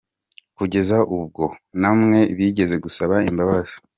kugeza ubwo namwe bize gusaba imbabazi.